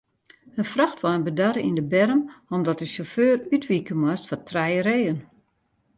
In frachtwein bedarre yn de berm omdat de sjauffeur útwike moast foar trije reeën.